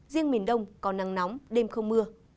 riêng miền đông có nắng nóng đêm không mưa